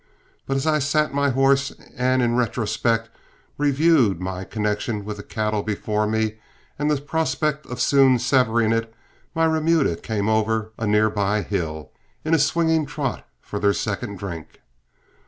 But as I sat my horse and in retrospect reviewed my connection with the cattle before me and the prospect of soon severing it, my remuda came over a near by hill in a swinging trot for their second drink.